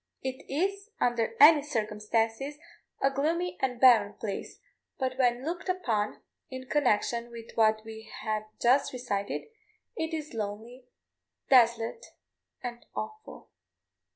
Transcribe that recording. It is, under any circumstances, a gloomy and barren place; but when looked upon in connection with what we have just recited, it is lonely, desolate, and awful.